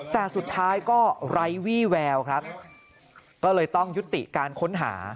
แต่สุดท้ายก็ไร้วี่แววครับก็เลยต้องยุติการค้นหา